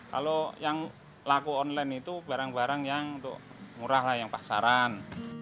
kalau yang laku online itu barang barang yang untuk murah lah yang pasaran